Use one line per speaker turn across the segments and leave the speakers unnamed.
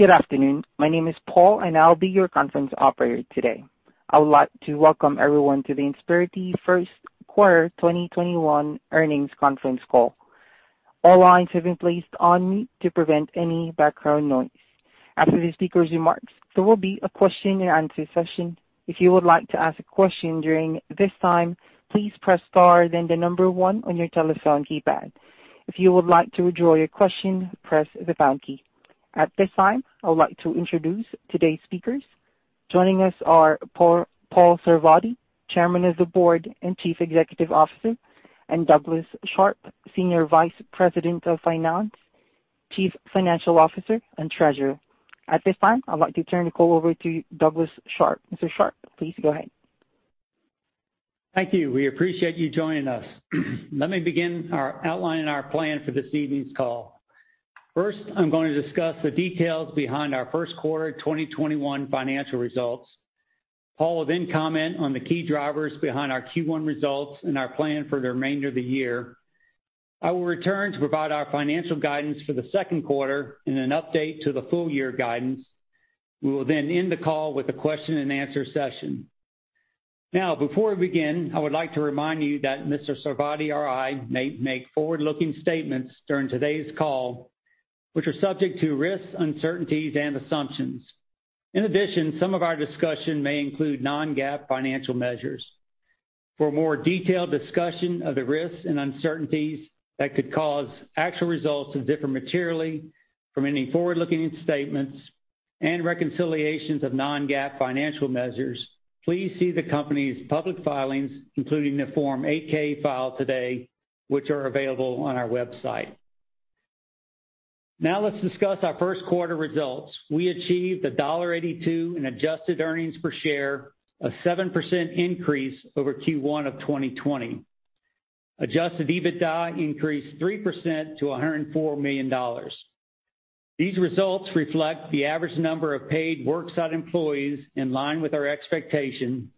Good afternoon. My name is Paul, and I'll be your conference operator today. I would like to welcome everyone to the Insperity First Quarter 2021 Earnings Conference Call. All lines have been placed on mute to prevent any background noise. After the speakers' remarks, there will be a question-and-answer session. If you would like to ask a question during this time, please press star then the number one on your telephone keypad. If you would like to withdraw your question, press the pound key. At this time, I would like to introduce today's speakers. Joining us are Paul Sarvadi, Chairman of the Board and Chief Executive Officer, and Douglas Sharp, Senior Vice President of Finance, Chief Financial Officer, and Treasurer. At this time, I'd like to turn the call over to Douglas Sharp. Mr. Sharp, please go ahead.
Thank you. We appreciate you joining us. Let me begin outlining our plan for this evening's call. First, I'm going to discuss the details behind our first quarter 2021 financial results. Paul will then comment on the key drivers behind our Q1 results and our plan for the remainder of the year. I will return to provide our financial guidance for the second quarter and an update to the full year guidance. We will then end the call with a question-and-answer session. Now, before we begin, I would like to remind you that Mr. Sarvadi or I may make forward-looking statements during today's call, which are subject to risks, uncertainties, and assumptions. In addition, some of our discussion may include non-GAAP financial measures. For a more detailed discussion of the risks and uncertainties that could cause actual results to differ materially from any forward-looking statements and reconciliations of non-GAAP financial measures, please see the company's public filings, including the Form 8-K filed today, which are available on our website. Let's discuss our first quarter results. We achieved $1.82 in adjusted earnings per share, a 7% increase over Q1 2020. Adjusted EBITDA increased 3% to $104 million. These results reflect the average number of paid worksite employees in line with our expectation,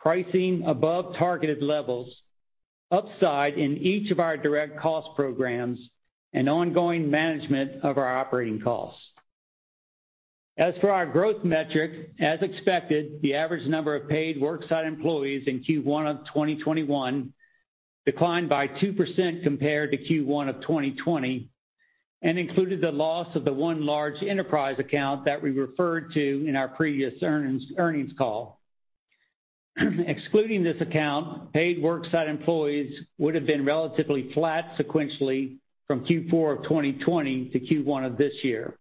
pricing above targeted levels, upside in each of our direct cost programs, and ongoing management of our operating costs. As for our growth metric, as expected, the average number of paid worksite employees in Q1 of 2021 declined by 2% compared to Q1 of 2020 and included the loss of the one large enterprise account that we referred to in our previous earnings call. Excluding this account, paid worksite employees would have been relatively flat sequentially from Q4 of 2020 to Q1 of this year.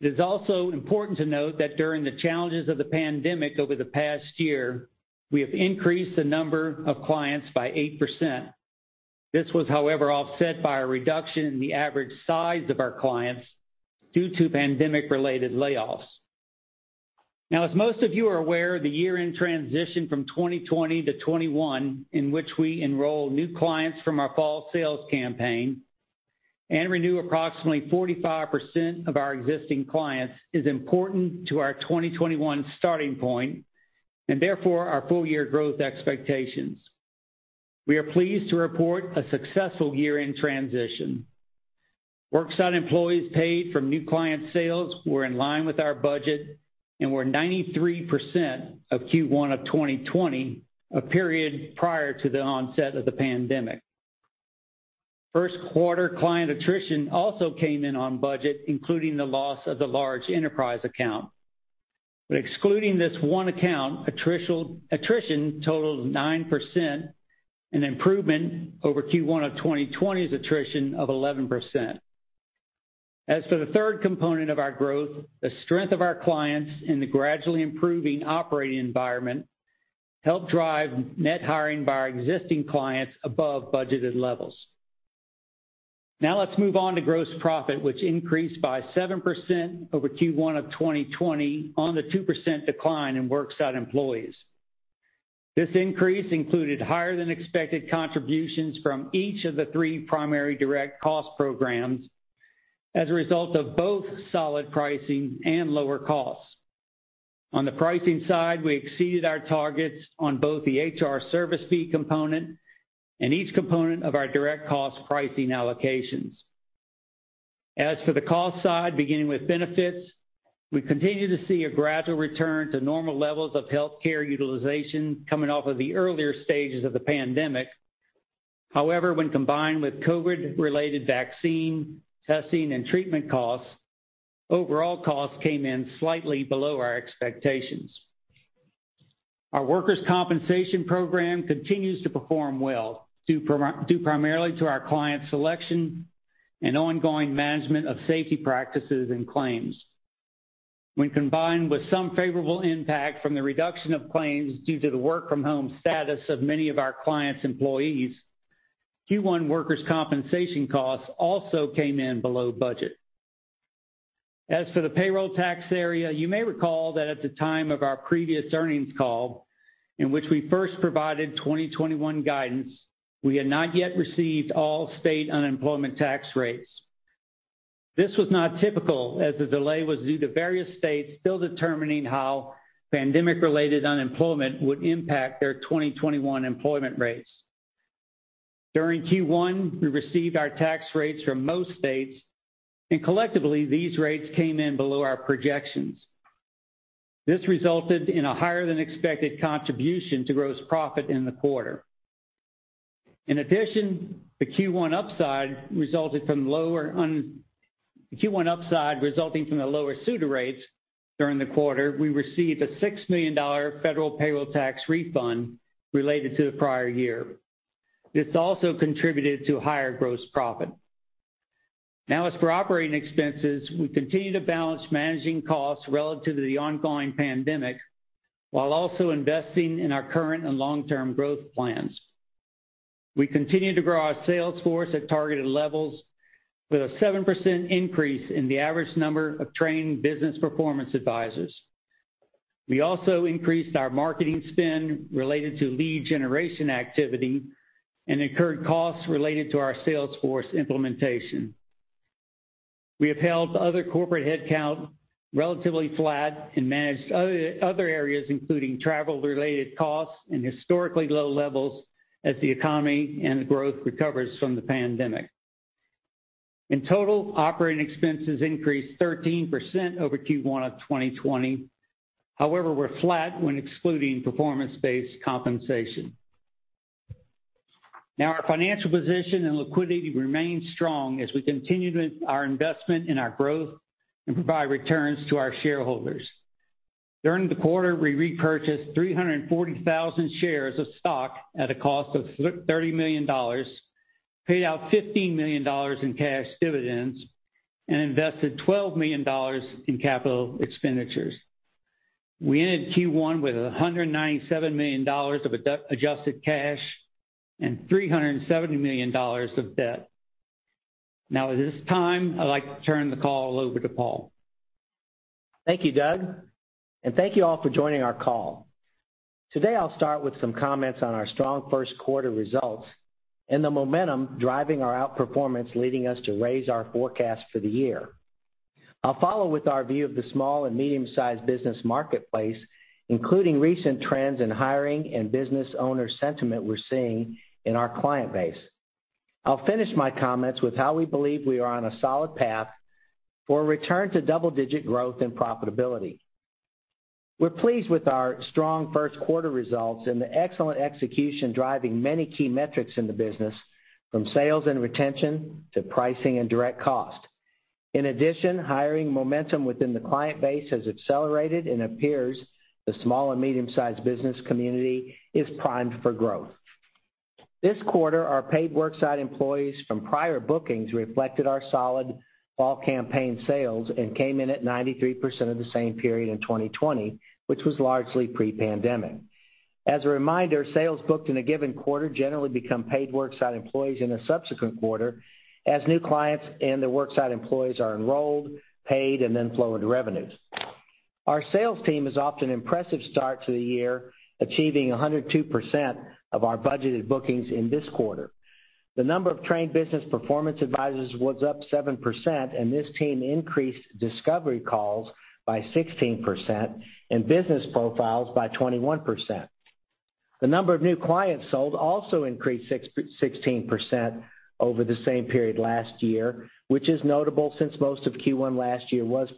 It is also important to note that during the challenges of the pandemic over the past year, we have increased the number of clients by 8%. This was, however, offset by a reduction in the average size of our clients due to pandemic-related layoffs. As most of you are aware, the year-end transition from 2020 to 2021, in which we enroll new clients from our fall sales campaign and renew approximately 45% of our existing clients, is important to our 2021 starting point and therefore our full-year growth expectations. We are pleased to report a successful year-end transition. Worksite employees paid from new client sales were in line with our budget and were 93% of Q1 of 2020, a period prior to the onset of the pandemic. First quarter client attrition also came in on budget, including the loss of the large enterprise account. Excluding this one account, attrition totaled 9%, an improvement over Q1 of 2020's attrition of 11%. For the third component of our growth, the strength of our clients and the gradually improving operating environment helped drive net hiring by our existing clients above budgeted levels. Now let's move on to gross profit, which increased by 7% over Q1 2020 on the 2% decline in worksite employees. This increase included higher than expected contributions from each of the three primary direct cost programs as a result of both solid pricing and lower costs. On the pricing side, we exceeded our targets on both the HR service fee component and each component of our direct cost pricing allocations. As for the cost side, beginning with benefits, we continue to see a gradual return to normal levels of healthcare utilization coming off of the earlier stages of the pandemic. However, when combined with COVID-related vaccine, testing, and treatment costs, overall costs came in slightly below our expectations. Our workers' compensation program continues to perform well, due primarily to our client selection and ongoing management of safety practices and claims. When combined with some favorable impact from the reduction of claims due to the work-from-home status of many of our clients' employees, Q1 workers' compensation costs also came in below budget. As for the payroll tax area, you may recall that at the time of our previous earnings call, in which we first provided 2021 guidance, we had not yet received all state unemployment tax rates. This was not typical, as the delay was due to various states still determining how pandemic-related unemployment would impact their 2021 employment rates. During Q1, we received our tax rates from most states, and collectively, these rates came in below our projections. This resulted in a higher than expected contribution to gross profit in the quarter. In addition, the Q1 upside resulting from the lower SUTA rates during the quarter, we received a $6 million federal payroll tax refund related to the prior year. This also contributed to higher gross profit. As for operating expenses, we continue to balance managing costs relative to the ongoing pandemic, while also investing in our current and long-term growth plans. We continue to grow our Salesforce at targeted levels with a 7% increase in the average number of trained Business Performance Advisors. We also increased our marketing spend related to lead generation activity and incurred costs related to our Salesforce implementation. We have held other corporate headcount relatively flat and managed other areas, including travel-related costs in historically low levels as the economy and growth recovers from the pandemic. In total, operating expenses increased 13% over Q1 2020. However, we're flat when excluding performance-based compensation. Our financial position and liquidity remain strong as we continue with our investment in our growth and provide returns to our shareholders. During the quarter, we repurchased 340,000 shares of stock at a cost of $30 million, paid out $15 million in cash dividends, and invested $12 million in capital expenditures. We ended Q1 with $197 million of adjusted cash and $370 million of debt. Now, at this time, I'd like to turn the call over to Paul.
Thank you, Doug, and thank you all for joining our call. Today, I'll start with some comments on our strong first quarter results and the momentum driving our outperformance, leading us to raise our forecast for the year. I'll follow with our view of the small and medium-sized business marketplace, including recent trends in hiring and business owner sentiment we're seeing in our client base. I'll finish my comments with how we believe we are on a solid path for a return to double-digit growth and profitability. We're pleased with our strong first quarter results and the excellent execution driving many key metrics in the business from sales and retention to pricing and direct cost. In addition, hiring momentum within the client base has accelerated and appears the small and medium-sized business community is primed for growth. This quarter, our paid worksite employees from prior bookings reflected our solid fall campaign sales and came in at 93% of the same period in 2020, which was largely pre-pandemic. As a reminder, sales booked in a given quarter generally become paid worksite employees in a subsequent quarter as new clients and their worksite employees are enrolled, paid, and then flow into revenues. Our sales team is off to an impressive start to the year, achieving 102% of our budgeted bookings in this quarter. The number of trained Business Performance Advisors was up 7%, and this team increased discovery calls by 16% and business profiles by 21%. The number of new clients sold also increased 16% over the same period last year, which is notable since most of Q1 last year was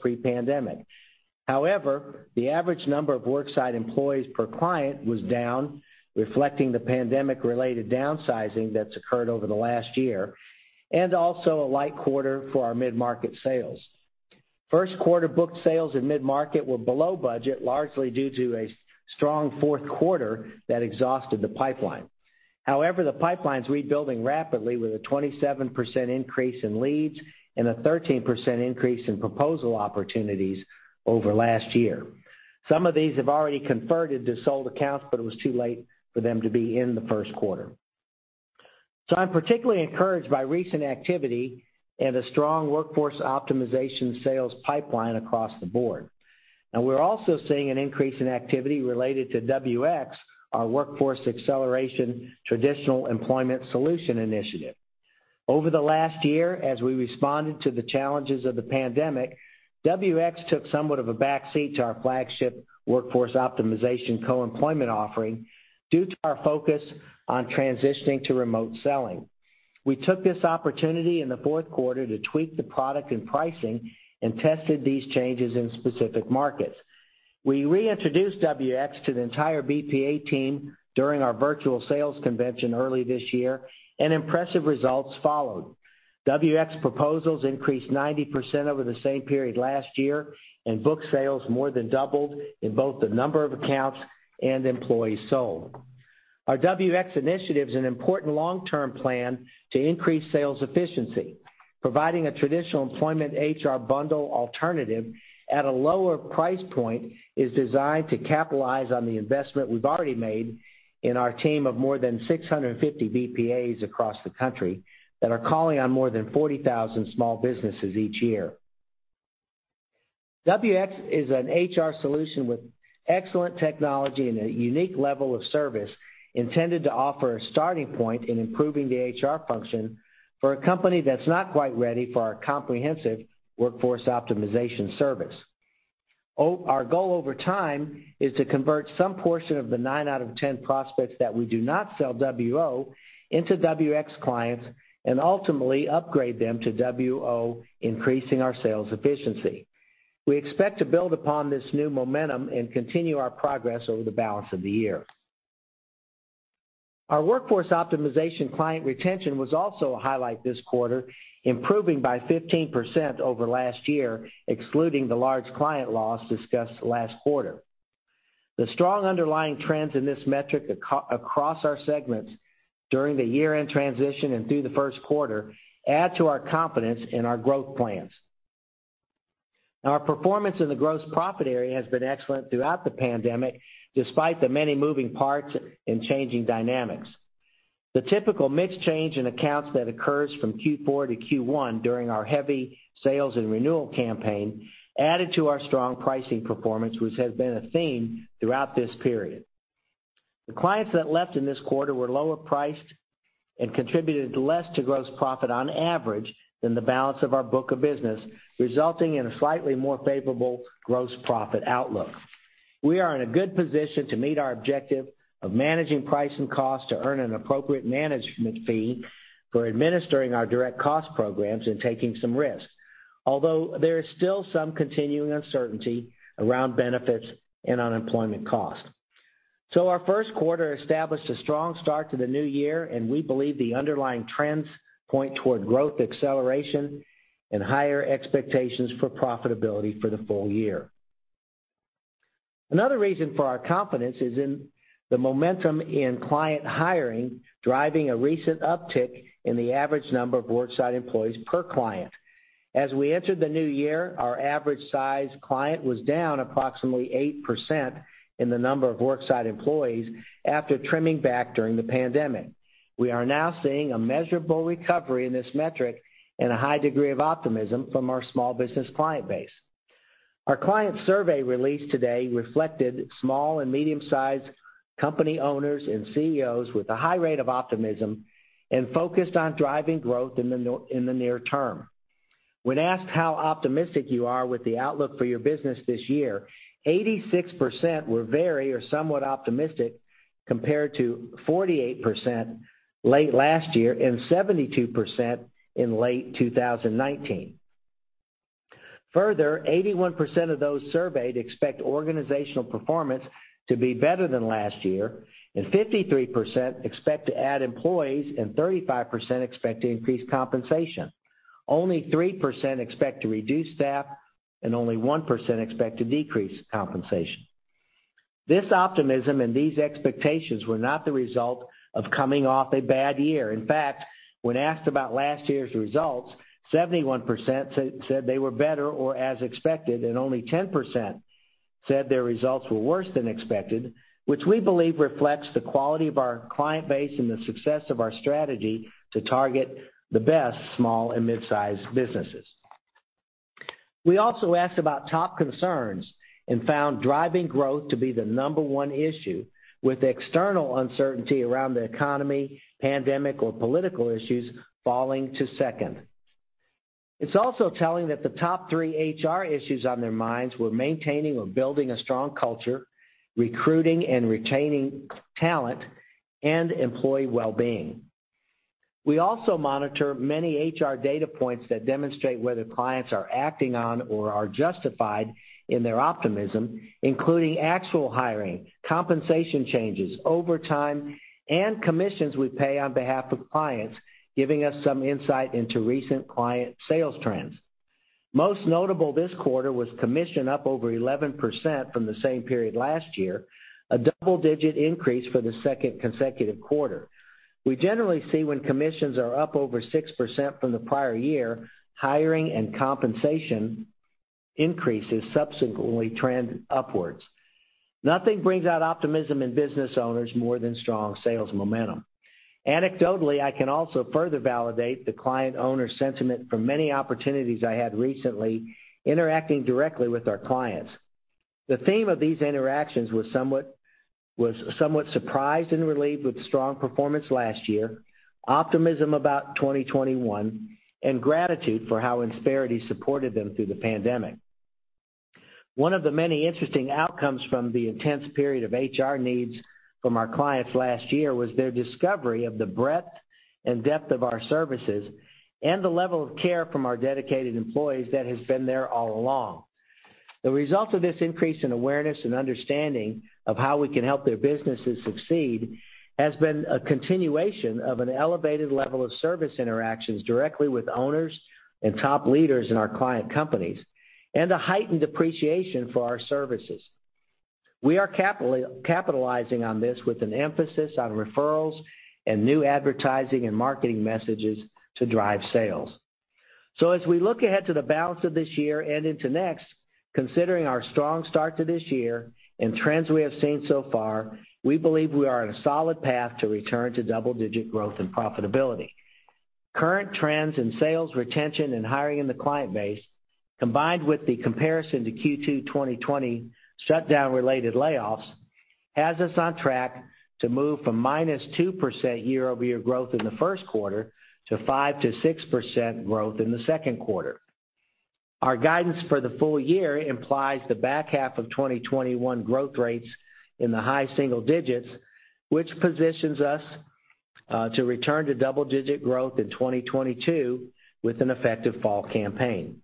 pre-pandemic. The average number of worksite employees per client was down, reflecting the pandemic-related downsizing that's occurred over the last year, and also a light quarter for our mid-market sales. First quarter booked sales in mid-market were below budget, largely due to a strong fourth quarter that exhausted the pipeline. The pipeline's rebuilding rapidly with a 27% increase in leads and a 13% increase in proposal opportunities over last year. Some of these have already converted to sold accounts, but it was too late for them to be in the first quarter. I'm particularly encouraged by recent activity and a strong Workforce Optimization sales pipeline across the board. We're also seeing an increase in activity related to WX, our Workforce Acceleration traditional employment solution initiative. Over the last year, as we responded to the challenges of the pandemic, WX took somewhat of a backseat to our flagship Workforce Optimization co-employment offering due to our focus on transitioning to remote selling. We took this opportunity in the fourth quarter to tweak the product and pricing and tested these changes in specific markets. We reintroduced WX to the entire BPA team during our virtual sales convention early this year, and impressive results followed. WX proposals increased 90% over the same period last year, and booked sales more than doubled in both the number of accounts and employees sold. Our WX initiative is an important long-term plan to increase sales efficiency. Providing a traditional employment HR bundle alternative at a lower price point is designed to capitalize on the investment we've already made in our team of more than 650 BPAs across the country that are calling on more than 40,000 small businesses each year. WX is an HR solution with excellent technology and a unique level of service intended to offer a starting point in improving the HR function for a company that's not quite ready for our comprehensive Workforce Optimization service. Our goal over time is to convert some portion of the nine out of 10 prospects that we do not sell WO into WX clients, and ultimately upgrade them to WO, increasing our sales efficiency. We expect to build upon this new momentum and continue our progress over the balance of the year. Our Workforce Optimization client retention was also a highlight this quarter, improving by 15% over last year, excluding the large client loss discussed last quarter. The strong underlying trends in this metric across our segments during the year-end transition and through the first quarter add to our confidence in our growth plans. Our performance in the gross profit area has been excellent throughout the pandemic, despite the many moving parts and changing dynamics. The typical mix change in accounts that occurs from Q4 to Q1 during our heavy sales and renewal campaign added to our strong pricing performance, which has been a theme throughout this period. The clients that left in this quarter were lower priced and contributed less to gross profit on average than the balance of our book of business, resulting in a slightly more favorable gross profit outlook. We are in a good position to meet our objective of managing price and cost to earn an appropriate management fee for administering our direct cost programs and taking some risks. Although there is still some continuing uncertainty around benefits and unemployment costs. Our first quarter established a strong start to the new year, and we believe the underlying trends point toward growth acceleration and higher expectations for profitability for the full year. Another reason for our confidence is in the momentum in client hiring, driving a recent uptick in the average number of worksite employees per client. As we entered the new year, our average size client was down approximately 8% in the number of worksite employees after trimming back during the pandemic. We are now seeing a measurable recovery in this metric and a high degree of optimism from our small business client base. Our client survey released today reflected small and medium-sized company owners and CEOs with a high rate of optimism and focused on driving growth in the near term. When asked how optimistic you are with the outlook for your business this year, 86% were very or somewhat optimistic, compared to 48% late last year and 72% in late 2019. Further, 81% of those surveyed expect organizational performance to be better than last year, and 53% expect to add employees and 35% expect to increase compensation. Only 3% expect to reduce staff and only 1% expect to decrease compensation. This optimism and these expectations were not the result of coming off a bad year. In fact, when asked about last year's results, 71% said they were better or as expected, and only 10% said their results were worse than expected, which we believe reflects the quality of our client base and the success of our strategy to target the best small and mid-sized businesses. We also asked about top concerns and found driving growth to be the number one issue, with external uncertainty around the economy, pandemic, or political issues falling to second. It is also telling that the top three HR issues on their minds were maintaining or building a strong culture, recruiting and retaining talent, and employee wellbeing. We also monitor many HR data points that demonstrate whether clients are acting on or are justified in their optimism, including actual hiring, compensation changes, overtime, and commissions we pay on behalf of clients, giving us some insight into recent client sales trends. Most notable this quarter was commission up over 11% from the same period last year, a double-digit increase for the second consecutive quarter. We generally see when commissions are up over 6% from the prior year, hiring and compensation increases subsequently trend upwards. Nothing brings out optimism in business owners more than strong sales momentum. Anecdotally, I can also further validate the client owner sentiment from many opportunities I had recently interacting directly with our clients. The theme of these interactions was somewhat surprised and relieved with strong performance last year, optimism about 2021, and gratitude for how Insperity supported them through the pandemic. One of the many interesting outcomes from the intense period of HR needs from our clients last year was their discovery of the breadth and depth of our services and the level of care from our dedicated employees that has been there all along. The result of this increase in awareness and understanding of how we can help their businesses succeed has been a continuation of an elevated level of service interactions directly with owners and top leaders in our client companies and a heightened appreciation for our services. We are capitalizing on this with an emphasis on referrals and new advertising and marketing messages to drive sales. As we look ahead to the balance of this year and into next, considering our strong start to this year and trends we have seen so far, we believe we are on a solid path to return to double-digit growth and profitability. Current trends in sales, retention, and hiring in the client base, combined with the comparison to Q2 2020 shutdown-related layoffs has us on track to move from -2% year-over-year growth in the first quarter to 5%-6% growth in the second quarter. Our guidance for the full year implies the back half of 2021 growth rates in the high single digits, which positions us to return to double-digit growth in 2022 with an effective fall campaign.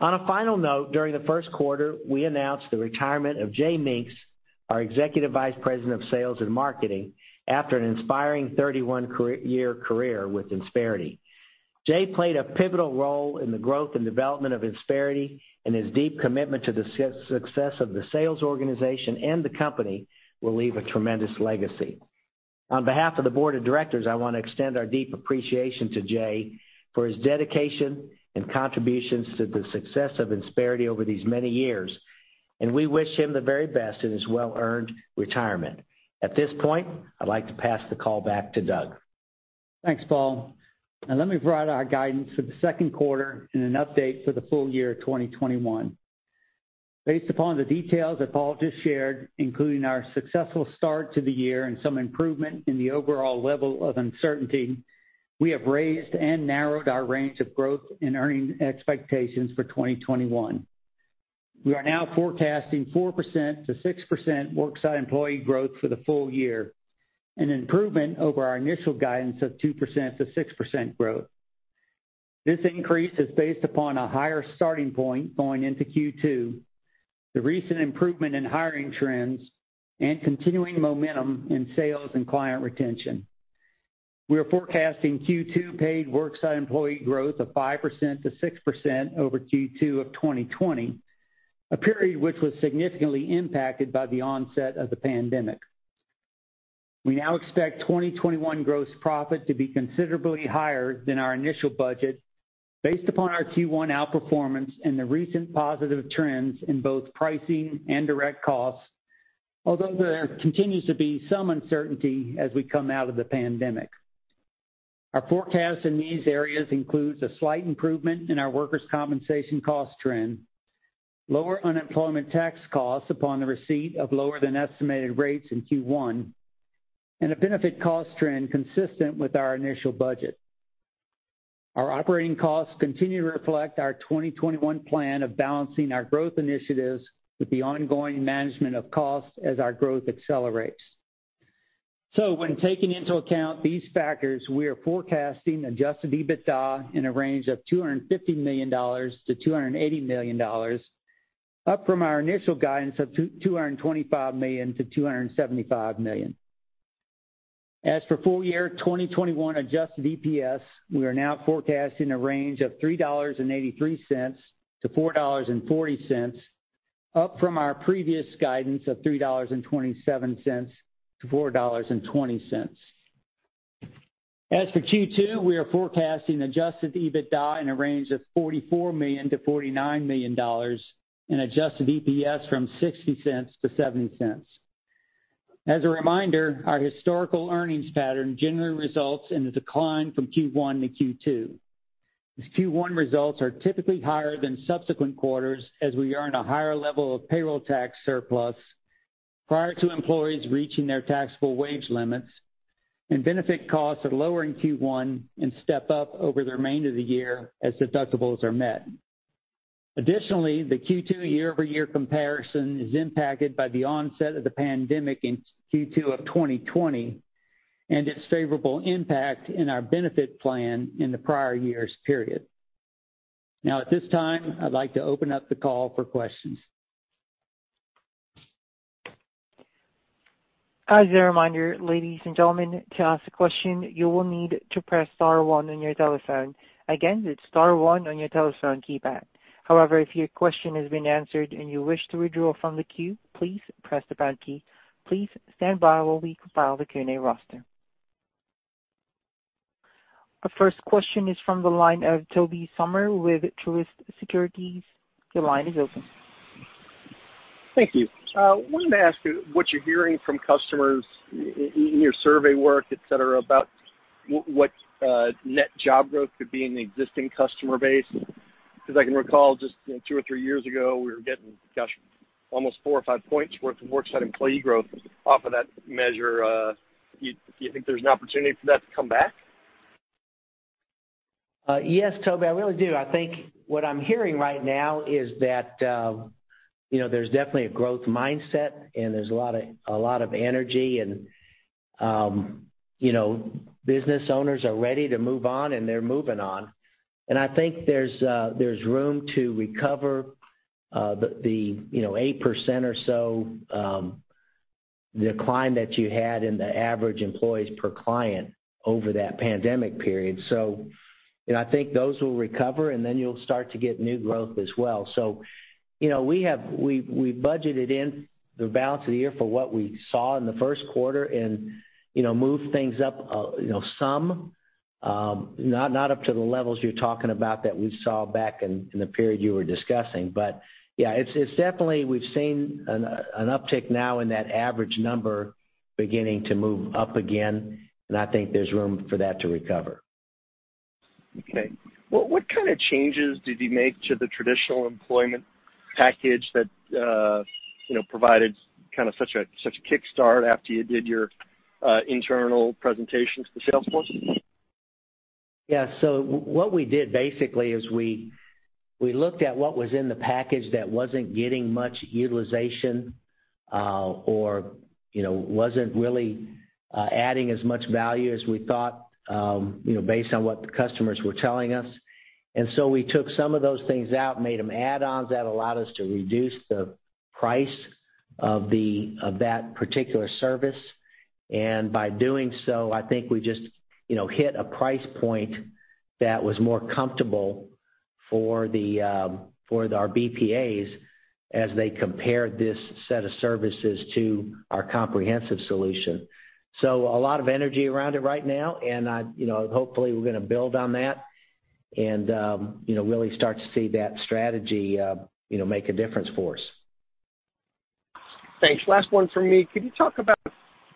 On a final note, during the first quarter, we announced the retirement of Jay Mincks, our Executive Vice President of Sales and Marketing, after an inspiring 31-year career with Insperity. Jay played a pivotal role in the growth and development of Insperity, and his deep commitment to the success of the sales organization and the company will leave a tremendous legacy. On behalf of the board of directors, I want to extend our deep appreciation to Jay for his dedication and contributions to the success of Insperity over these many years, and we wish him the very best in his well-earned retirement. At this point, I'd like to pass the call back to Doug.
Thanks, Paul. Now let me provide our guidance for the second quarter and an update for the full year 2021. Based upon the details that Paul just shared, including our successful start to the year and some improvement in the overall level of uncertainty, we have raised and narrowed our range of growth and earning expectations for 2021. We are now forecasting 4%-6% worksite employee growth for the full year. An improvement over our initial guidance of 2%-6% growth. This increase is based upon a higher starting point going into Q2, the recent improvement in hiring trends, and continuing momentum in sales and client retention. We are forecasting Q2 paid worksite employee growth of 5%-6% over Q2 of 2020, a period which was significantly impacted by the onset of the pandemic. We now expect 2021 gross profit to be considerably higher than our initial budget based upon our Q1 outperformance and the recent positive trends in both pricing and direct costs, although there continues to be some uncertainty as we come out of the pandemic. Our forecast in these areas includes a slight improvement in our workers' compensation cost trend, lower unemployment tax costs upon the receipt of lower than estimated rates in Q1, and a benefit cost trend consistent with our initial budget. Our operating costs continue to reflect our 2021 plan of balancing our growth initiatives with the ongoing management of costs as our growth accelerates. When taking into account these factors, we are forecasting Adjusted EBITDA in a range of $250 million-$280 million, up from our initial guidance of $225 million-$275 million. Full-year 2021 Adjusted EPS, we are now forecasting a range of $3.83-$4.40, up from our previous guidance of $3.27-$4.20. Q2, we are forecasting Adjusted EBITDA in a range of $44 million-$49 million and Adjusted EPS from $0.60-$0.70. As a reminder, our historical earnings pattern generally results in a decline from Q1 to Q2, as Q1 results are typically higher than subsequent quarters as we earn a higher level of payroll tax surplus prior to employees reaching their taxable wage limits, and benefit costs are lower in Q1 and step up over the remainder of the year as deductibles are met. The Q2 year-over-year comparison is impacted by the onset of the pandemic in Q2 of 2020 and its favorable impact in our benefit plan in the prior year's period. Now at this time, I'd like to open up the call for questions.
As a reminder, ladies and gentlemen, to ask a question, you will need to press star one on your telephone. Again, it's star one on your telephone keypad. However, if your question has been answered and you wish to withdraw from the queue, please press the pound key. Please stand by while we compile the Q&A roster. Our first question is from the line of Tobey Sommer with Truist Securities. Your line is open.
Thank you. Wanted to ask what you're hearing from customers in your survey work, et cetera, about what net job growth could be in the existing customer base, because I can recall just two or three years ago, we were getting, gosh, almost four or five points worth of worksite employee growth off of that measure. Do you think there's an opportunity for that to come back?
Yes, Tobey, I really do. I think what I'm hearing right now is that there's definitely a growth mindset and there's a lot of energy and business owners are ready to move on and they're moving on. I think there's room to recover the 8% or so decline that you had in the average employees per client over that pandemic period. I think those will recover then you'll start to get new growth as well. We budgeted in the balance of the year for what we saw in the first quarter moved things up some. Not up to the levels you're talking about that we saw back in the period you were discussing, but yeah. It's definitely we've seen an uptick now in that average number beginning to move up again, I think there's room for that to recover.
Okay. What kind of changes did you make to the traditional employment package that provided such a kickstart after you did your internal presentation to the Salesforce?
What we did basically is we looked at what was in the package that wasn't getting much utilization, or wasn't really adding as much value as we thought based on what the customers were telling us. We took some of those things out, made them add-ons. That allowed us to reduce the price of that particular service. By doing so, I think we just hit a price point that was more comfortable for our BPAs as they compared this set of services to our comprehensive solution. A lot of energy around it right now, and hopefully we're going to build on that and really start to see that strategy make a difference for us.
Thanks. Last one from me. Could you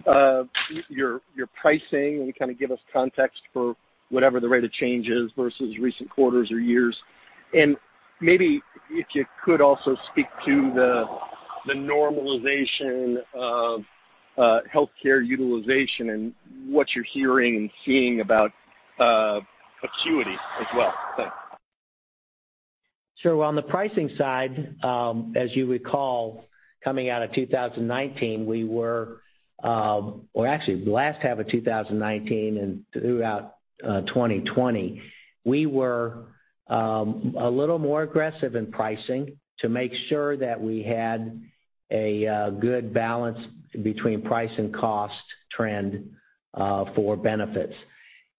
talk about your pricing, and kind of give us context for whatever the rate of change is versus recent quarters or years? Maybe if you could also speak to the normalization of healthcare utilization and what you're hearing and seeing about acuity as well? Thanks.
Sure. Well, on the pricing side, as you recall, coming out of 2019, or actually last half of 2019 and throughout 2020, we were a little more aggressive in pricing to make sure that we had a good balance between price and cost trend for benefits.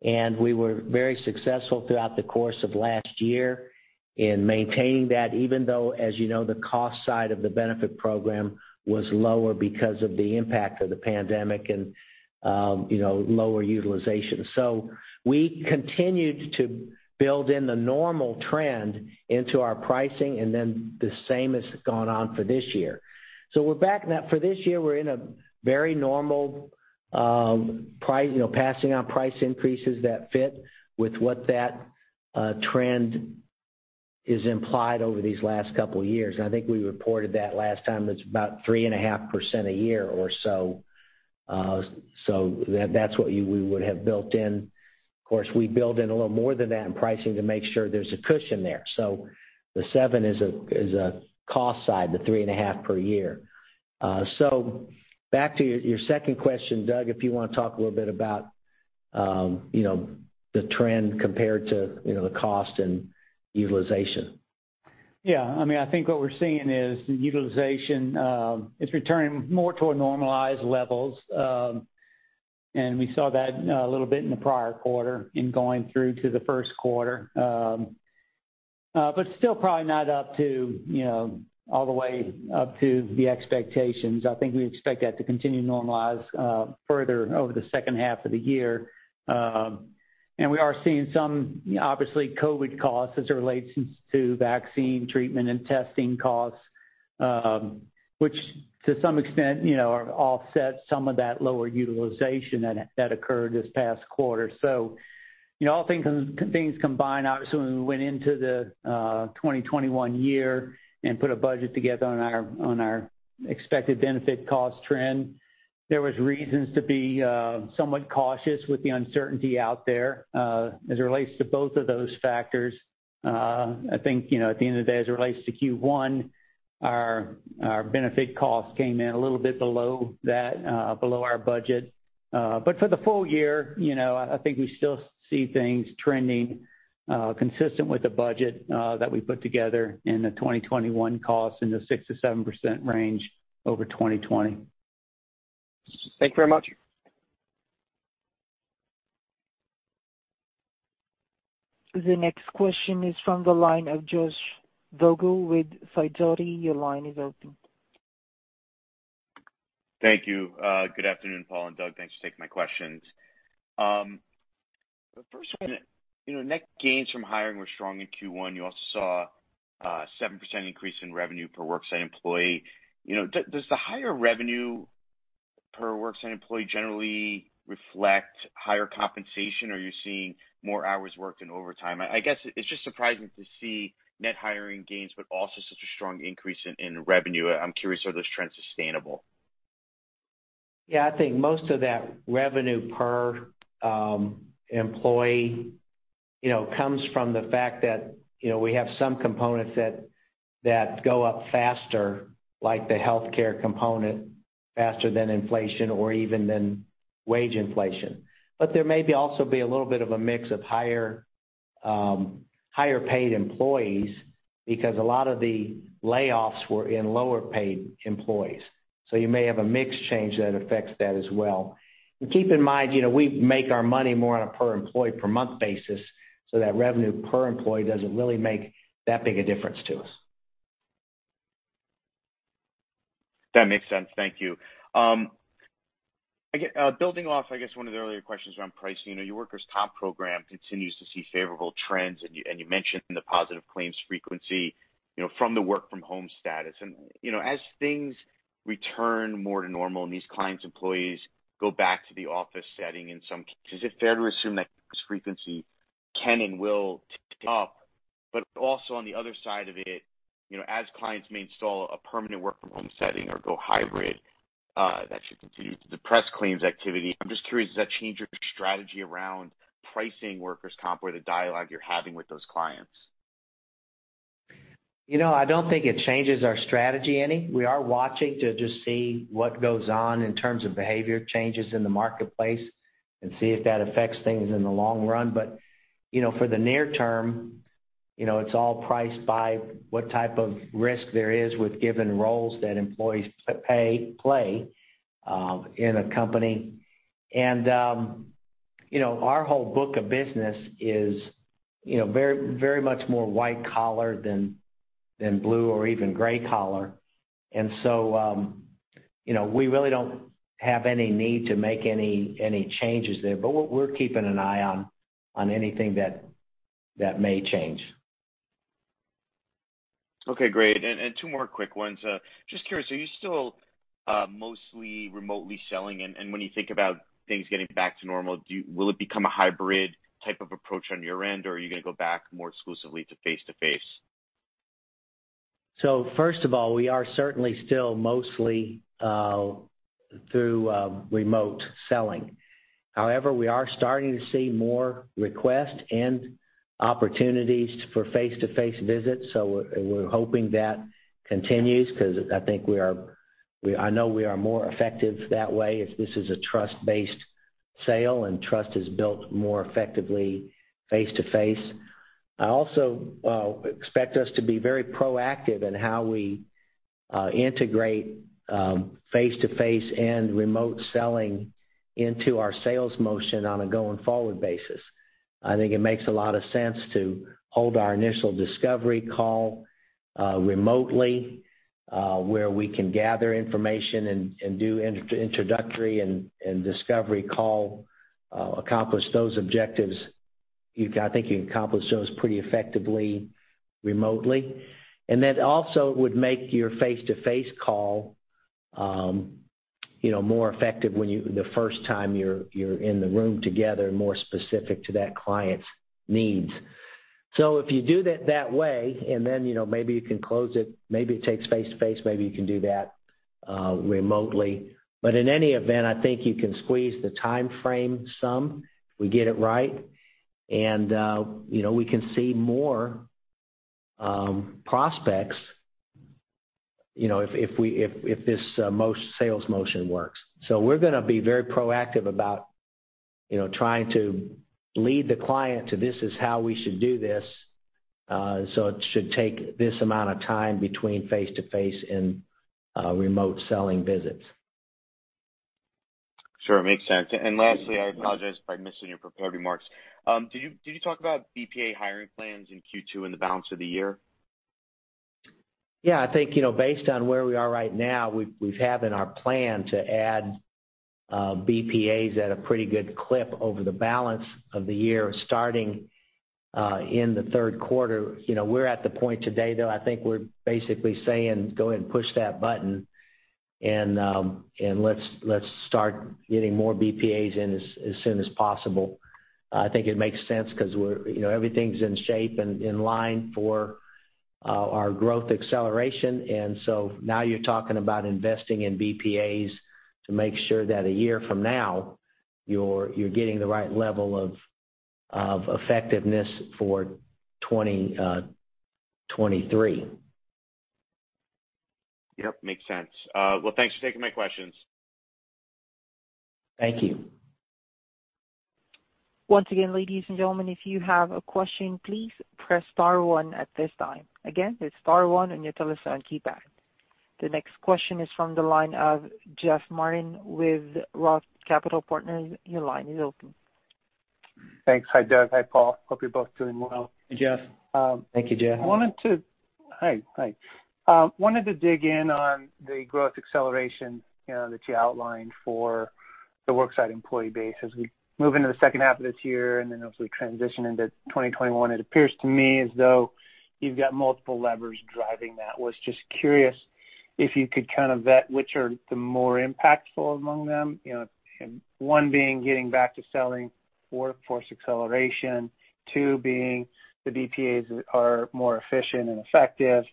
We were very successful throughout the course of last year in maintaining that, even though, as you know, the cost side of the benefit program was lower because of the impact of the pandemic and lower utilization. We continued to build in the normal trend into our pricing, and then the same has gone on for this year. For this year, we're in a very normal passing on price increases that fit with what that trend is implied over these last couple of years. I think we reported that last time, it's about 3.5% a year or so. That's what we would have built in. Of course, we build in a little more than that in pricing to make sure there's a cushion there. The seven is a cost side, the 3.5% per year. Back to your second question, Doug, if you want to talk a little bit about the trend compared to the cost and utilization.
Yeah. I think what we're seeing is the utilization is returning more toward normalized levels. We saw that a little bit in the prior quarter in going through to the first quarter. Still probably not all the way up to the expectations. I think we expect that to continue to normalize further over the second half of the year. We are seeing some, obviously, COVID costs as it relates to vaccine treatment and testing costs, which to some extent offset some of that lower utilization that occurred this past quarter. All things combined, obviously, when we went into the 2021 year and put a budget together on our expected benefit cost trend, there was reasons to be somewhat cautious with the uncertainty out there as it relates to both of those factors. I think at the end of the day, as it relates to Q1, our benefit costs came in a little bit below our budget. For the full year, I think we still see things trending consistent with the budget that we put together in the 2021 costs in the 6%-7% range over 2020.
Thank you very much.
The next question is from the line of Josh Vogel with Sidoti. Your line is open.
Thank you. Good afternoon, Paul and Doug. Thanks for taking my questions. The first one, net gains from hiring were strong in Q1. You also saw a 7% increase in revenue per worksite employee. Does the higher revenue per worksite employee generally reflect higher compensation? Are you seeing more hours worked in overtime? I guess it's just surprising to see net hiring gains, but also such a strong increase in revenue. I'm curious, are those trends sustainable?
Yeah, I think most of that revenue per employee comes from the fact that we have some components that go up faster, like the healthcare component, faster than inflation or even than wage inflation. There may also be a little bit of a mix of higher-paid employees because a lot of the layoffs were in lower-paid employees. You may have a mix change that affects that as well. Keep in mind, we make our money more on a per employee, per month basis, that revenue per employee doesn't really make that big a difference to us.
That makes sense. Thank you. Building off, I guess, one of the earlier questions around pricing, your workers' comp program continues to see favorable trends. You mentioned the positive claims frequency from the work-from-home status. As things return more to normal and these clients' employees go back to the office setting in some cases, is it fair to assume that claims frequency can and will tick up? Also on the other side of it, as clients may install a permanent work-from-home setting or go hybrid, that should continue to depress claims activity. I'm just curious, does that change your strategy around pricing workers' comp or the dialogue you're having with those clients?
I don't think it changes our strategy any. We are watching to just see what goes on in terms of behavior changes in the marketplace and see if that affects things in the long run. For the near term, it's all priced by what type of risk there is with given roles that employees play in a company. Our whole book of business is very much more white collar than blue or even gray collar. We really don't have any need to make any changes there. We're keeping an eye on anything that may change.
Okay, great. Two more quick ones. Just curious, are you still mostly remotely selling? When you think about things getting back to normal, will it become a hybrid type of approach on your end, or are you going to go back more exclusively to face-to-face?
First of all, we are certainly still mostly through remote selling. However, we are starting to see more requests and opportunities for face-to-face visits, so we're hoping that continues because I know we are more effective that way if this is a trust-based sale, and trust is built more effectively face-to-face. I also expect us to be very proactive in how we integrate face-to-face and remote selling into our sales motion on a going-forward basis. I think it makes a lot of sense to hold our initial discovery call remotely, where we can gather information and do introductory and discovery call, accomplish those objectives. I think you can accomplish those pretty effectively remotely. Also it would make your face-to-face call more effective the first time you're in the room together, more specific to that client's needs. If you do that that way, and then maybe you can close it, maybe it takes face-to-face, maybe you can do that remotely. In any event, I think you can squeeze the timeframe some if we get it right. We can see more prospects if this sales motion works. We're going to be very proactive about trying to lead the client to, this is how we should do this. It should take this amount of time between face-to-face and remote selling visits.
Sure, makes sense. Lastly, I apologize if I missed it in your prepared remarks. Did you talk about BPA hiring plans in Q2 and the balance of the year?
Yeah, I think, based on where we are right now, we've had in our plan to add BPAs at a pretty good clip over the balance of the year, starting in the third quarter. We're at the point today, though, I think we're basically saying, go ahead and push that button and let's start getting more BPAs in as soon as possible. I think it makes sense because everything's in shape and in line for our growth acceleration. Now you're talking about investing in BPAs to make sure that a year from now, you're getting the right level of effectiveness for 2023.
Yep, makes sense. Well, thanks for taking my questions.
Thank you.
Once again, ladies and gentlemen, if you have a question, please press star one at this time. Again, it's star one on your telephone keypad. The next question is from the line of Jeff Martin with ROTH Capital Partners. Your line is open.
Thanks. Hi, Doug. Hi, Paul. Hope you're both doing well.
Hey, Jeff. Thank you, Jeff.
Hi. Wanted to dig in on the growth acceleration that you outlined for the worksite employee base. As we move into the second half of this year, and then as we transition into 2021, it appears to me as though you've got multiple levers driving that. Was just curious if you could kind of vet which are the more impactful among them. One being getting back to selling Workforce Acceleration, two being the BPAs are more efficient and effective,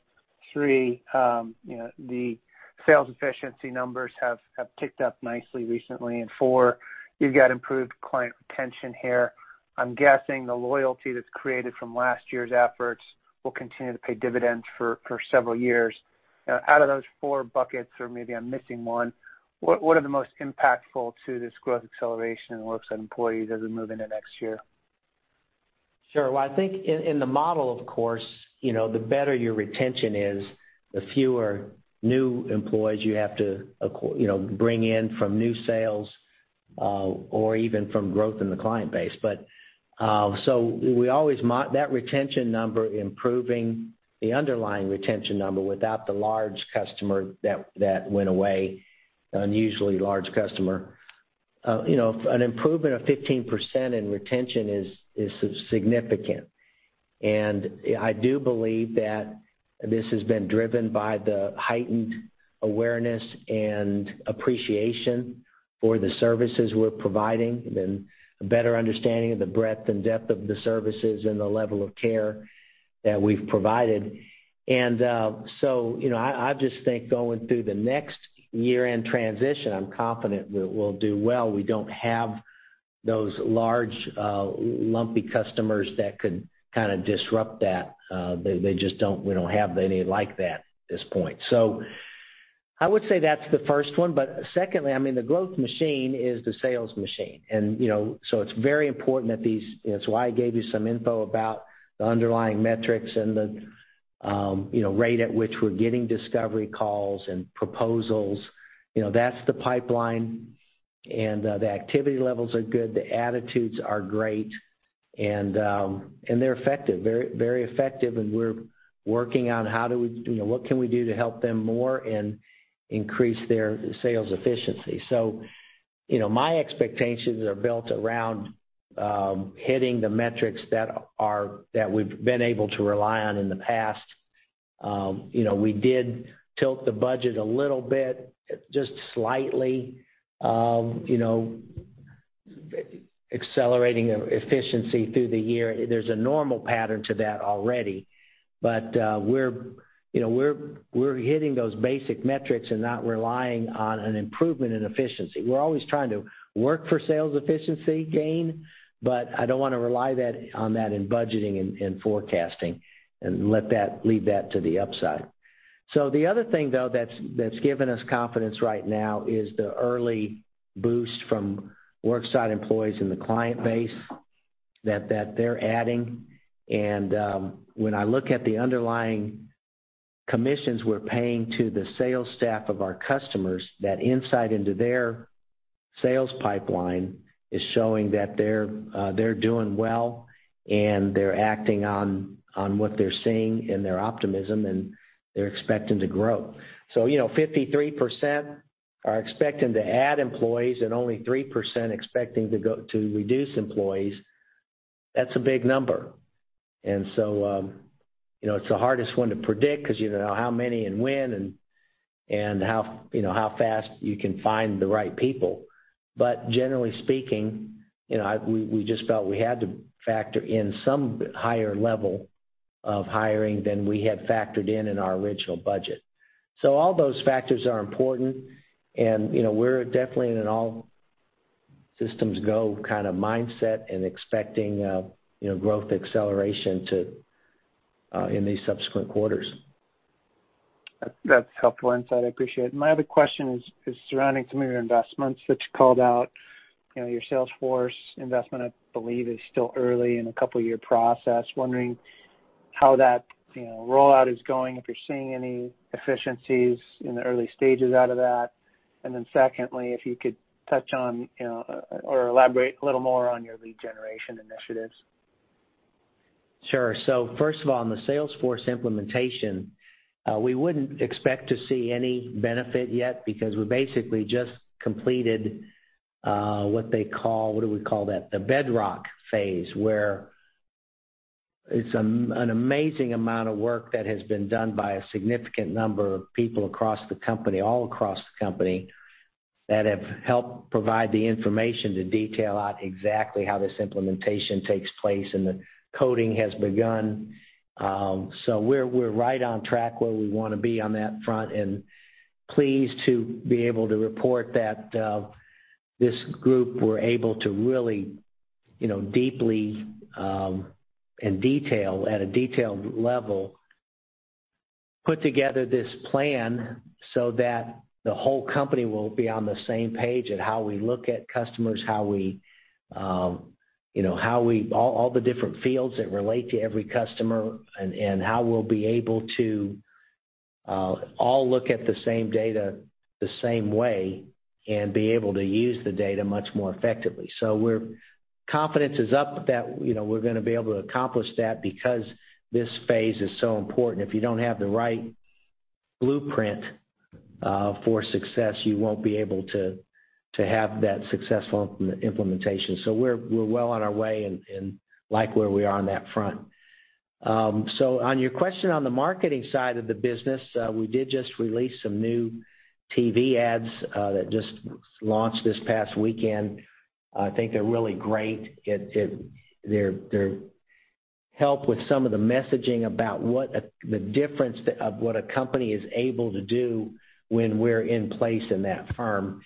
three, the sales efficiency numbers have ticked up nicely recently, and four, you've got improved client retention here. I'm guessing the loyalty that's created from last year's efforts will continue to pay dividends for several years. Out of those four buckets, or maybe I'm missing one, what are the most impactful to this growth acceleration in worksite employees as we move into next year?
Sure. I think in the model, of course, the better your retention is, the fewer new employees you have to bring in from new sales, or even from growth in the client base. So that retention number improving, the underlying retention number without the large customer that went away, unusually large customer. An improvement of 15% in retention is significant. I do believe that this has been driven by the heightened awareness and appreciation for the services we're providing, and a better understanding of the breadth and depth of the services and the level of care that we've provided. I just think going through the next year-end transition, I'm confident we'll do well. We don't have those large, lumpy customers that could kind of disrupt that. We don't have any like that at this point. I would say that's the first one. Secondly, the growth machine is the sales machine. It's very important that these It's why I gave you some info about the underlying metrics and the rate at which we're getting discovery calls and proposals. That's the pipeline. The activity levels are good, the attitudes are great, and they're very effective, and we're working on what can we do to help them more and increase their sales efficiency. My expectations are built around hitting the metrics that we've been able to rely on in the past. We did tilt the budget a little bit, just slightly, accelerating efficiency through the year. There's a normal pattern to that already. We're hitting those basic metrics and not relying on an improvement in efficiency. We're always trying to work for sales efficiency gain, but I don't want to rely on that in budgeting and forecasting, and leave that to the upside. The other thing, though, that's given us confidence right now is the early boost from worksite employees in the client base that they're adding. When I look at the underlying commissions we're paying to the sales staff of our customers, that insight into their sales pipeline is showing that they're doing well, and they're acting on what they're seeing and their optimism, and they're expecting to grow. 53% are expecting to add employees and only 3% expecting to reduce employees. That's a big number. It's the hardest one to predict because you don't know how many and when, and how fast you can find the right people. Generally speaking, we just felt we had to factor in some higher level of hiring than we had factored in in our original budget. All those factors are important, and we're definitely in an all systems go kind of mindset and expecting growth acceleration in these subsequent quarters.
That's helpful insight. I appreciate it. My other question is surrounding some of your investments that you called out. Your Salesforce investment, I believe, is still early in a couple year process. Wondering how that rollout is going, if you're seeing any efficiencies in the early stages out of that? Secondly, if you could touch on, or elaborate a little more on your lead generation initiatives.
Sure. First of all, on the Salesforce implementation, we wouldn't expect to see any benefit yet because we basically just completed what they call. What do we call that? The bedrock phase, where it's an amazing amount of work that has been done by a significant number of people across the company, all across the company, that have helped provide the information to detail out exactly how this implementation takes place, and the coding has begun. We're right on track where we want to be on that front, and pleased to be able to report that this group were able to really deeply, at a detailed level, put together this plan so that the whole company will be on the same page at how we look at customers, all the different fields that relate to every customer, and how we'll be able to all look at the same data the same way, and be able to use the data much more effectively. Confidence is up that we're going to be able to accomplish that because this phase is so important. If you don't have the right blueprint for success, you won't be able to have that successful implementation. We're well on our way and like where we are on that front. On your question on the marketing side of the business, we did just release some new TV ads that just launched this past weekend. I think they're really great. They help with some of the messaging about what the difference of what a company is able to do when we're in place in that firm.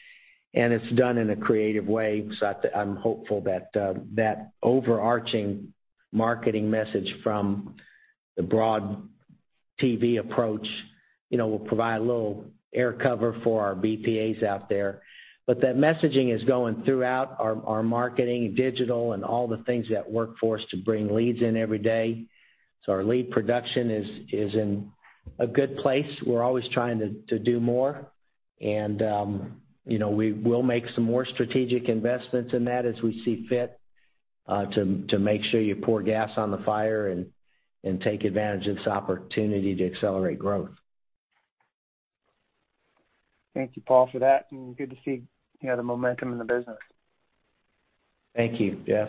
It's done in a creative way, I'm hopeful that that overarching marketing message from the broad TV approach will provide a little air cover for our BPAs out there. That messaging is going throughout our marketing, digital, and all the things that work for us to bring leads in every day. Our lead production is in a good place. We're always trying to do more. We will make some more strategic investments in that as we see fit, to make sure you pour gas on the fire and take advantage of this opportunity to accelerate growth.
Thank you, Paul, for that, and good to see the momentum in the business.
Thank you, Jeff.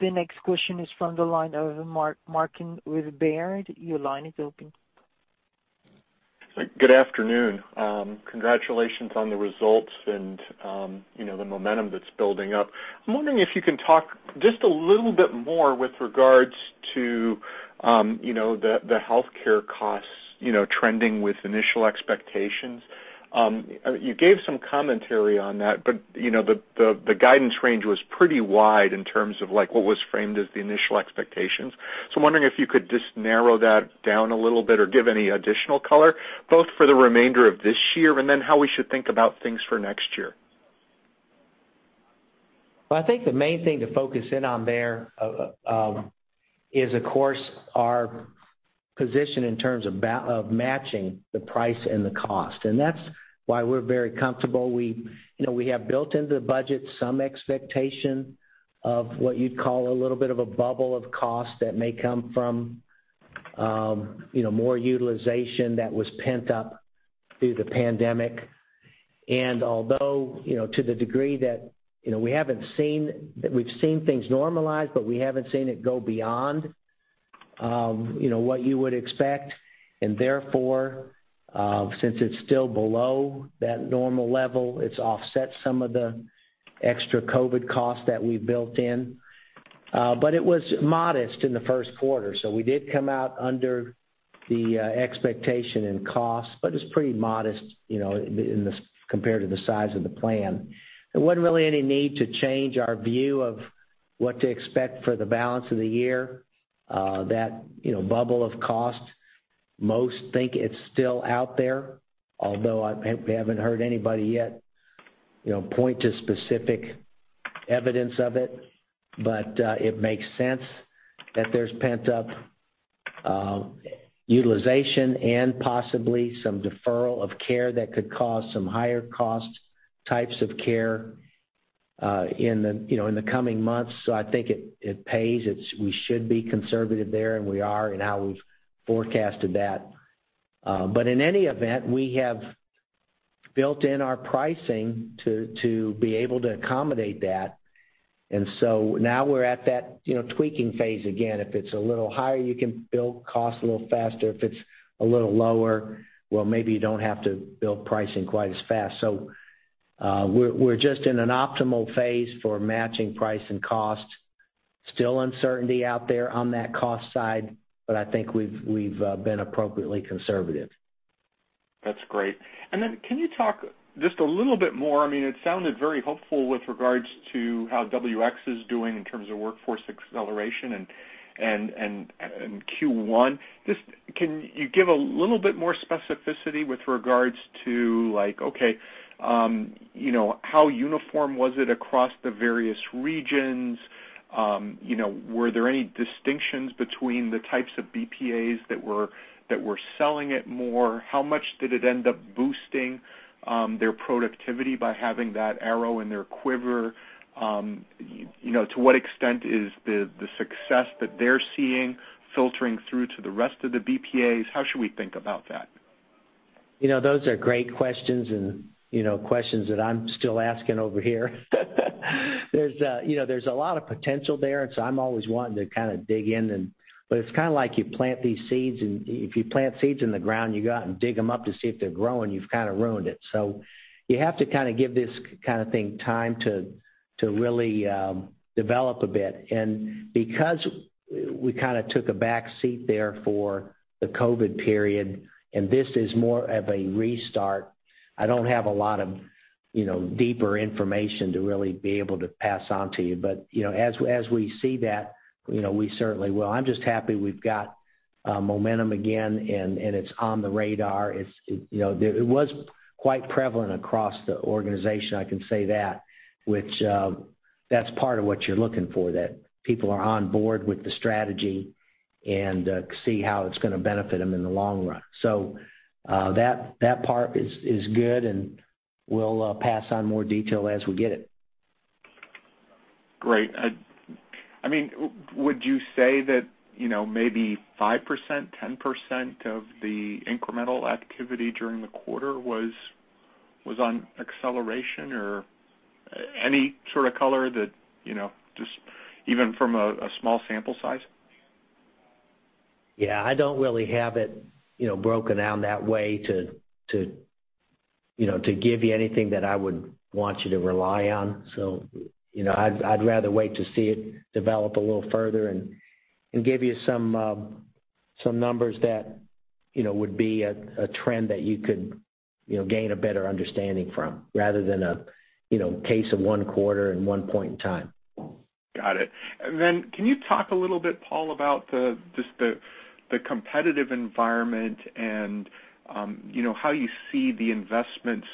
The next question is from the line of Mark Marcon with Baird. Your line is open.
Good afternoon. Congratulations on the results and the momentum that's building up. I'm wondering if you can talk just a little bit more with regards to the healthcare costs trending with initial expectations. You gave some commentary on that, but the guidance range was pretty wide in terms of what was framed as the initial expectations. I'm wondering if you could just narrow that down a little bit or give any additional color, both for the remainder of this year, and then how we should think about things for next year.
Well, I think the main thing to focus in on there, is of course, our position in terms of matching the price and the cost. That's why we're very comfortable. We have built into the budget some expectation of what you'd call a little bit of a bubble of cost that may come from more utilization that was pent-up through the pandemic. Although, to the degree that we've seen things normalize, but we haven't seen it go beyond what you would expect. Therefore, since it's still below that normal level, it's offset some of the extra COVID costs that we built in. It was modest in the first quarter, so we did come out under the expectation in cost, but it's pretty modest compared to the size of the plan. There wasn't really any need to change our view of what to expect for the balance of the year. That bubble of cost, most think it's still out there, although I haven't heard anybody yet point to specific evidence of it. It makes sense that there's pent-up utilization and possibly some deferral of care that could cause some higher cost types of care in the coming months. I think it pays. We should be conservative there, and we are in how we've forecasted that. In any event, we have built in our pricing to be able to accommodate that. Now we're at that tweaking phase again. If it's a little higher, you can build cost a little faster. If it's a little lower, well, maybe you don't have to build pricing quite as fast. We're just in an optimal phase for matching price and cost. Still uncertainty out there on that cost side, but I think we've been appropriately conservative.
That's great. Can you talk just a little bit more, it sounded very hopeful with regards to how WX is doing in terms of Workforce Acceleration and Q1. Can you give a little bit more specificity with regards to, how uniform was it across the various regions? Were there any distinctions between the types of BPAs that were selling it more? How much did it end up boosting their productivity by having that arrow in their quiver? To what extent is the success that they're seeing filtering through to the rest of the BPAs? How should we think about that?
Those are great questions and questions that I'm still asking over here. There's a lot of potential there, and so I'm always wanting to dig in. It's kind of like you plant these seeds, and if you plant seeds in the ground, you go out and dig them up to see if they're growing, you've kind of ruined it. You have to give this kind of thing time to really develop a bit. Because we kind of took a back seat there for the COVID period, and this is more of a restart, I don't have a lot of deeper information to really be able to pass on to you. As we see that, we certainly will. I'm just happy we've got momentum again, and it's on the radar. It was quite prevalent across the organization, I can say that, which that's part of what you're looking for, that people are on board with the strategy and see how it's going to benefit them in the long run. That part is good, and we'll pass on more detail as we get it.
Great. Would you say that maybe 5%, 10% of the incremental activity during the quarter was on Acceleration? Any sort of color that, just even from a small sample size?
Yeah, I don't really have it broken down that way to give you anything that I would want you to rely on. I'd rather wait to see it develop a little further and give you some numbers that would be a trend that you could gain a better understanding from rather than a case of one quarter and one point in time.
Got it. Can you talk a little bit, Paul, about just the competitive environment and how you see the investments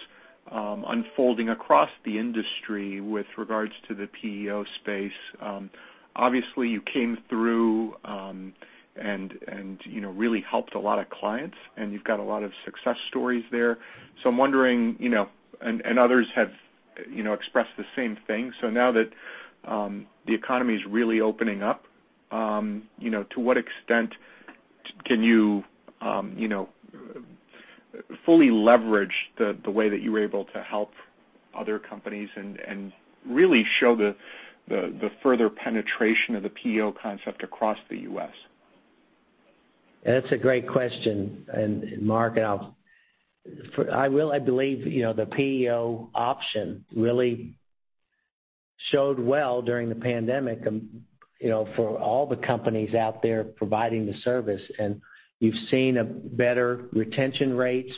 unfolding across the industry with regards to the PEO space? Obviously, you came through, and really helped a lot of clients, and you've got a lot of success stories there. I'm wondering, and others have expressed the same thing. Now that the economy's really opening up, to what extent can you fully leverage the way that you were able to help other companies and really show the further penetration of the PEO concept across the U.S.?
That's a great question, Mark. I believe the PEO option really showed well during the pandemic, for all the companies out there providing the service. You've seen better retention rates.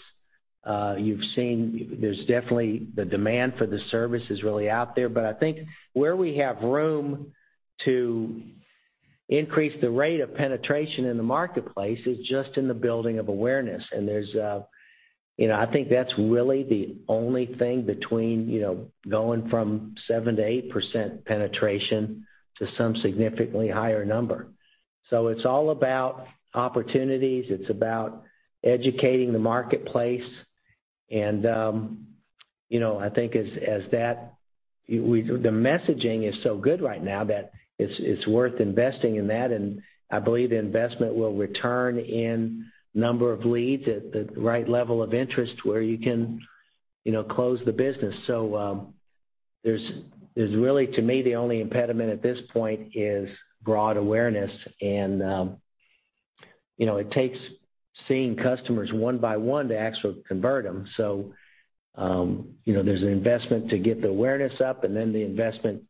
You've seen there's definitely the demand for the service is really out there. I think where we have room to increase the rate of penetration in the marketplace is just in the building of awareness. I think that's really the only thing between going from 7%-8% penetration to some significantly higher number. It's all about opportunities, it's about educating the marketplace, and I think the messaging is so good right now that it's worth investing in that. I believe the investment will return in number of leads at the right level of interest where you can close the business. There's really, to me, the only impediment at this point is broad awareness and it takes seeing customers one by one to actually convert them. There's an investment to get the awareness up and then the investment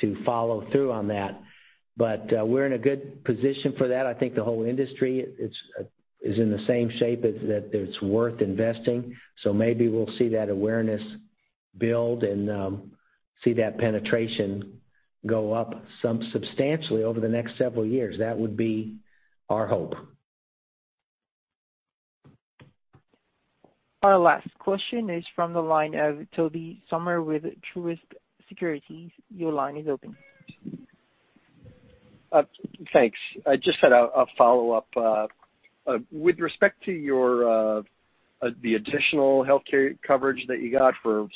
to follow through on that. We're in a good position for that. I think the whole industry is in the same shape as that it's worth investing. Maybe we'll see that awareness build and see that penetration go up substantially over the next several years. That would be our hope.
Our last question is from the line of Tobey Sommer with Truist Securities. Your line is open.
Thanks. I just had a follow-up. With respect to the additional healthcare coverage that you got for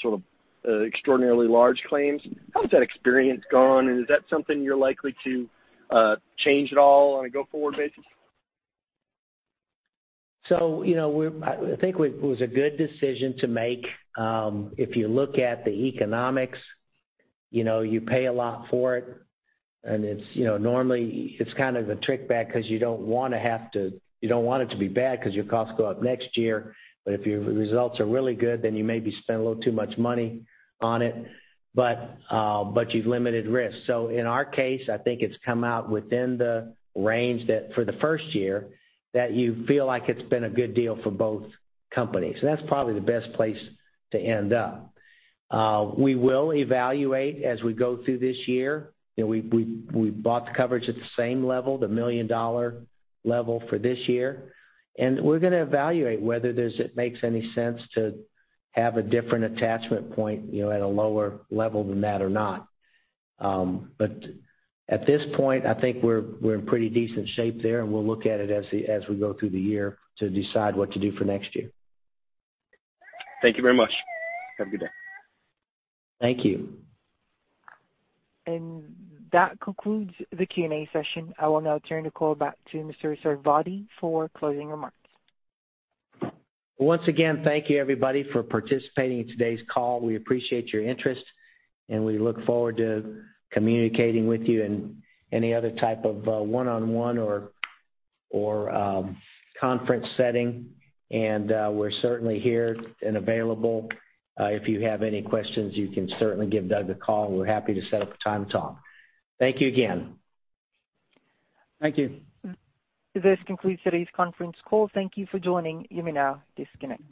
extraordinarily large claims, how has that experience gone, and is that something you're likely to change at all on a go-forward basis?
I think it was a good decision to make. If you look at the economics, you pay a lot for it, and normally it's kind of a trick back because you don't want it to be bad because your costs go up next year. If your results are really good, then you maybe spend a little too much money on it. You've limited risk. In our case, I think it's come out within the range that for the first year, that you feel like it's been a good deal for both companies. That's probably the best place to end up. We will evaluate as we go through this year. We've bought the coverage at the same level, the $1 million level for this year. We're going to evaluate whether it makes any sense to have a different attachment point at a lower level than that or not. At this point, I think we're in pretty decent shape there, and we'll look at it as we go through the year to decide what to do for next year.
Thank you very much. Have a good day.
Thank you.
That concludes the Q&A session. I will now turn the call back to Mr. Sarvadi for closing remarks.
Once again, thank you everybody for participating in today's call. We appreciate your interest. We look forward to communicating with you in any other type of one-on-one or conference setting. We're certainly here and available. If you have any questions, you can certainly give Doug a call. We're happy to set up a time to talk. Thank you again.
Thank you.
This concludes today's conference call. Thank you for joining. You may now disconnect.